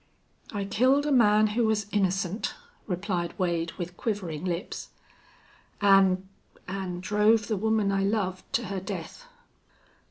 "I killed a man who was innocent," replied Wade, with quivering lips, "an' an' drove the woman I loved to her death."